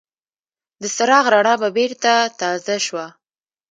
د څراغ رڼا به بېرته تازه شوه.